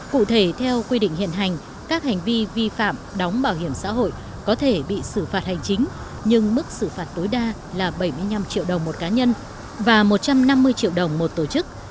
cụ thể theo quy định hiện hành các hành vi vi phạm đóng bảo hiểm xã hội có thể bị xử phạt hành chính nhưng mức xử phạt tối đa là bảy mươi năm triệu đồng một cá nhân và một trăm năm mươi triệu đồng một tổ chức